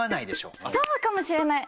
そうかもしれない！